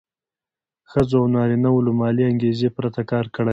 ښځو او نارینه وو له مالي انګېزې پرته کار کړی وای.